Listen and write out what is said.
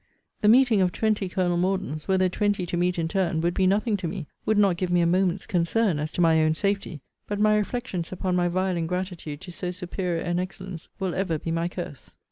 The meeting of twenty Colonel Mordens, were there twenty to meet in turn, would be nothing to me, would not give me a moment's concern, as to my own safety: but my reflections upon my vile ingratitude to so superior an excellence will ever be my curse.